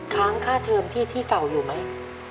ค้างค่าเทอมที่ที่เก่าอยู่ไหม